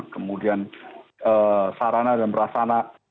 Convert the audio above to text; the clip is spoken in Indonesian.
kemudian sarana dan perasana